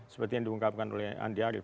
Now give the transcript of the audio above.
seperti yang diungkapkan oleh andi arief